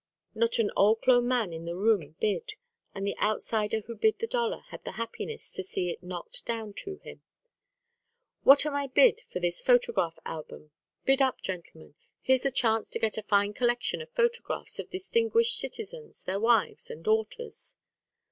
Not an old clo' man in the room bid, and the outsider who bid the dollar had the happiness to see it knocked down to him. "What am I bid for this photograph album? Bid up, gentlemen. Here's a chance to get a fine collection of photographs of distinguished citizens, their wives, and daughters."